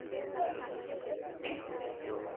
Hususani tangu mwishoni mwa karne ya kumi na nane